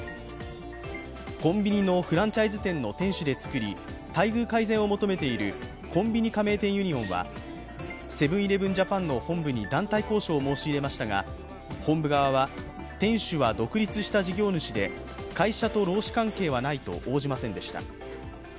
コンビニのフランチャイズ店の店主で作り、待遇改善を求めているコンビニ加盟店ユニオンはセブン−イレブン・ジャパンの本部に団体交渉を申し入れましたが本部側は、店主は独立した事業主で会社と労使関係はないと応じませんでした。